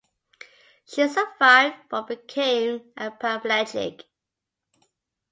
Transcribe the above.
She survived, but became a paraplegic.